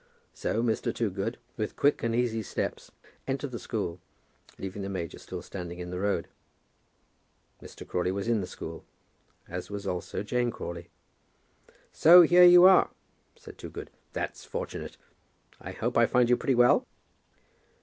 So Mr. Toogood, with quick and easy steps, entered the school, leaving the major still standing in the road. Mr. Crawley was in the school; as was also Jane Crawley. "So here you are," said Toogood. "That's fortunate. I hope I find you pretty well?"